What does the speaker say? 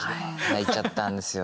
泣いちゃったんですよね